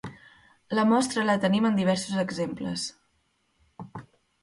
La mostra la tenim en diversos exemples.